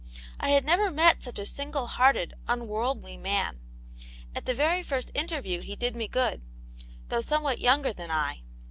I had never met such a singlcr hearted, unworldly man ; at the very first interview he did me good, though somewhat younger than I.